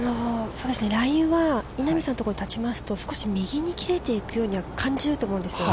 ◆ラインは稲美さんのところに立ちますと、少し右に切れていくように感じると思うんですよね。